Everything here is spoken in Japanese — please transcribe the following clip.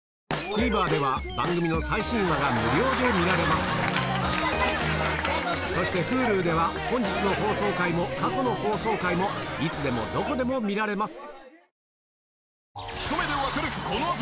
ＴＶｅｒでは番組の最新話が無料で見られますそしてＨｕｌｕでは本日の放送回も過去の放送回もいつでもどこでも見られます